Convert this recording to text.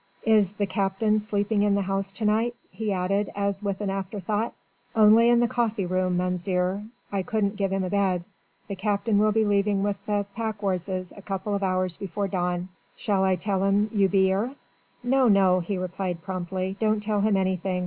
"Is 'the Captain' sleeping in the house to night?" he added as with an afterthought. "Only in the coffee room, Mounzeer. I couldn't give 'im a bed. 'The Captain' will be leaving with the pack 'orzes a couple of hours before dawn. Shall I tell 'im you be 'ere." "No, no," he replied promptly. "Don't tell him anything.